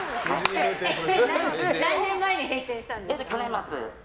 何年前に閉店したんですか？